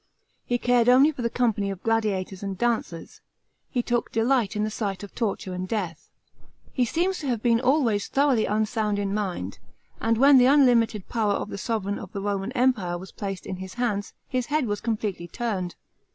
He cared only for the company of gladiators and dancers; he took delight in the siuht of torture and death. He seems to have been always thoroughly uiisound in mind, and when the unlimited power of the sovran of the Roman Empire was placed in his hands, his head was completely turned.